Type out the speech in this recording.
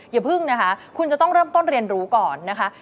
อย่าพึ่งนะคะคุณจะต้องเริ่มต้นเรียนรู้ก่อนนะคะ